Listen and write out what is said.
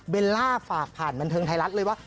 ล่าฝากผ่านบันเทิงไทยรัฐเลยว่า